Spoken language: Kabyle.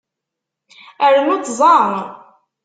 Rnu tẓa.